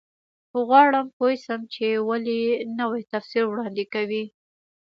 غواړم پوه شم چې ولې نوی تفسیر وړاندې کوي.